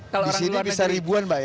di sini bisa ribuan mbak ya